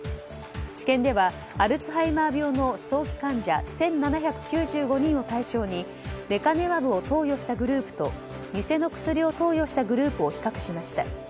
治験ではアルツハイマー病の早期患者１７９５人を対象にレカネマブを投与したグループと偽の薬を投与したグループを比較しました。